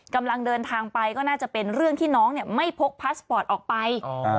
กำลังเดินทางไปก็น่าจะเป็นเรื่องที่น้องไม่พกพาสปอร์ตออกไป